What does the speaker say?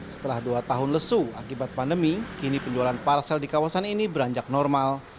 setelah dua tahun lesu akibat pandemi kini penjualan parsel di kawasan ini beranjak normal